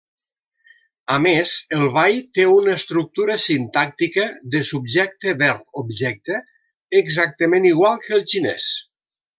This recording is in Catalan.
A més, el bai té una estructura sintàctica de subjecte-verb-objecte, exactament igual que el xinès.